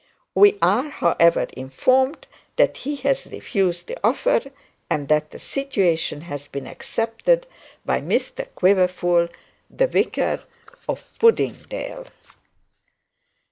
We are, however, informed that he has refused the offer, and that the situation has been accepted by Mr Quiverful, the vicar of Puddingdale.